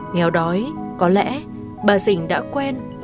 nghèo đói có lẽ bà dình đã quen